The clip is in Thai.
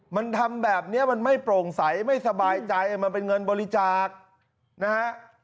มันทำแบบนี้มันไม่โปร่งใสไม่สบายใจมันเป็นเงินบริจาคนะฮะ